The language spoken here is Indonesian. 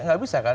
tidak bisa kan